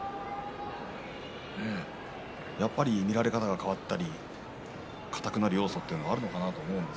やっぱり見られ方が変わったり、かたくなる要素というのはあるのかなと。